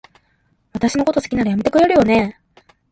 私のこと好きなら、やめてくれるよね？